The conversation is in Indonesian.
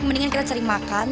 mendingan kita cari makan